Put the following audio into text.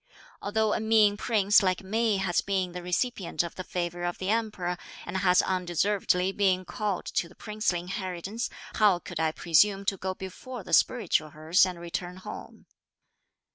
Although a mean prince like me has been the recipient of the favour of the Emperor, and has undeservedly been called to the princely inheritance, how could I presume to go before the spiritual hearse and return home?"